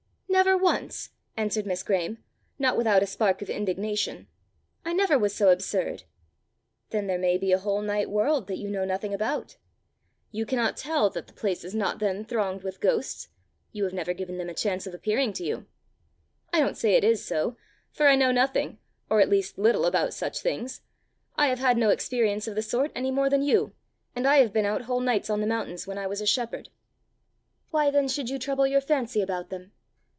"Never once," answered Miss Graeme, not without a spark of indignation. "I never was so absurd!" "Then there may be a whole night world that you know nothing about. You cannot tell that the place is not then thronged with ghosts: you have never given them a chance of appearing to you. I don't say it is so, for I know nothing, or at least little, about such things. I have had no experience of the sort any more than you and I have been out whole nights on the mountains when I was a shepherd." "Why then should you trouble your fancy about them?"